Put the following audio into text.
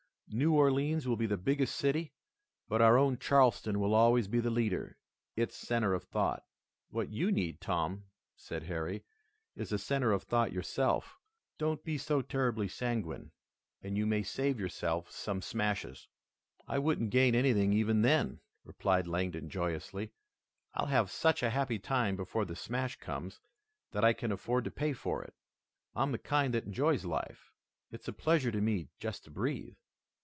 New Orleans will be the biggest city, but our own Charleston will always be the leader, its center of thought." "What you need, Tom," said Harry, "is a center of thought yourself. Don't be so terribly sanguine and you may save yourself some smashes." "I wouldn't gain anything even then," replied Langdon joyously. "I'll have such a happy time before the smash comes that I can afford to pay for it. I'm the kind that enjoys life. It's a pleasure to me just to breathe."